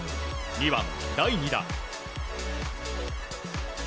２番、第２打。